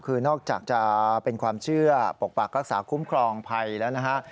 คือนอกจากจะเป็นความเชื่อปกปักรักษาคุ้มครองภัยแล้วนะฮะ